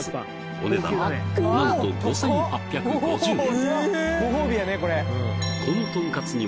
お値段なんと５８５０円